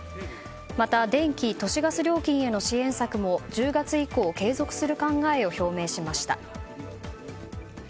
また、電気・都市ガス料金への支援策も１０月以降継続する考えを表明しました。